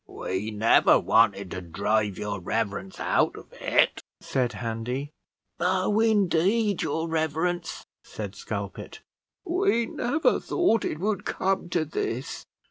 "We never wanted to drive your reverence out of it," said Handy. "No, indeed, your reverence," said Skulpit. "We never thought it would come to this.